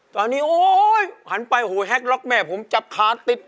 ตอนนี้โอ๊ยหันไปโอ้โหแฮ็กล็อกแม่ผมจับขาติด